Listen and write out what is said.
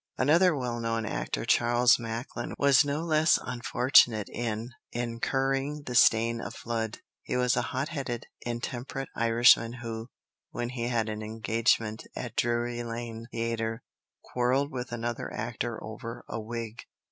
Another well known actor, Charles Macklin, was no less unfortunate in incurring the stain of blood. He was a hot headed, intemperate Irishman, who, when he had an engagement at Drury Lane Theatre, quarrelled with another actor over a wig.